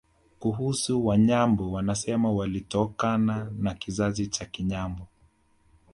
Kuhusu Wanyambo wanasema walitokana na kizazi cha Kanyambo